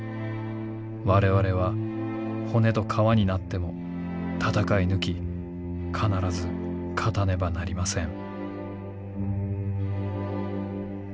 我々は骨と皮になっても戦い抜き必ず勝たねばなりません」。